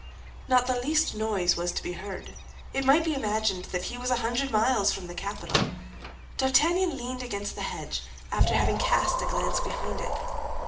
Not the least noise was to be heard; it might be imagined that he was a hundred miles from the capital. D'Artagnan leaned against the hedge, after having cast a glance behind it.